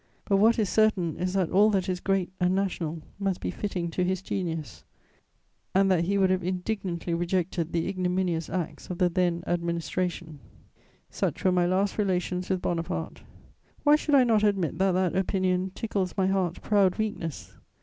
But what is certain is that all that is great and national must be fitting to his genius, and that he would have indignantly rejected the ignominious acts of the then administration." [Sidenote: Napoleon's verdict on myself.] Such were my last relations with Bonaparte. Why should I not admit that that opinion "tickles my heart's proud weakness"?